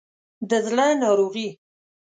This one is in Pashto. د زړه ناروغي